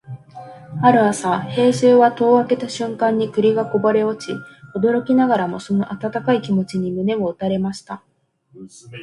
ある朝、兵十は戸を開けた瞬間に栗がこぼれ落ち、驚きながらもその温かい気持ちに胸を打たれました。